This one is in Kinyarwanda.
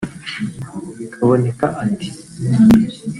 Kaboneka ati